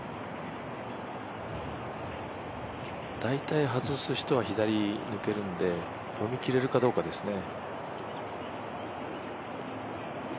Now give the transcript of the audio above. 大体外す人は左抜けるんで読みきれるかどうかですね。